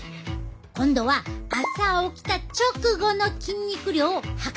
今度は朝起きた直後の筋肉量を測ってみた。